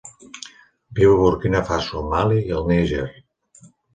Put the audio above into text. Viu a Burkina Faso, Mali i el Níger.